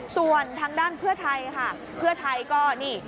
ส่วนทางด้านเพื่อไทยค่ะเพื่อไทยก็นี่